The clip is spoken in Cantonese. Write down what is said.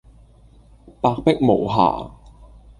白璧無瑕